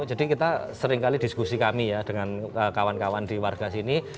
jadi kita seringkali diskusi kami ya dengan kawan kawan di warga sini